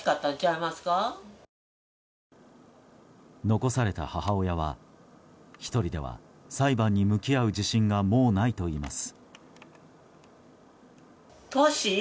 残された母親は１人では裁判に向き合う自信がもうないといいます。